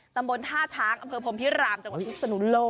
ตำบลท่าช้างอำเภอพรมพิรามจังหวัดพิศนุโลก